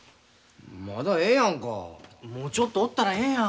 まだええやんか。もちょっとおったらええやん。